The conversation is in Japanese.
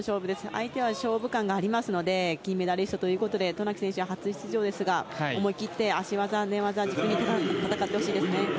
相手は勝負勘がありますので金メダリストということで渡名喜選手は初出場ですが思い切って足技、寝技を軸に戦ってほしいですね。